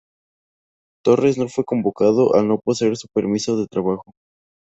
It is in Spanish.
Torres no fue convocado al no poseer su permiso de trabajo.